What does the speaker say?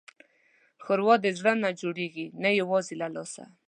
ښوروا د زړه نه جوړېږي، نه یوازې له لاسه.